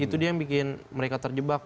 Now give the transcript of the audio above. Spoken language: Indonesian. itu dia yang bikin mereka terjebak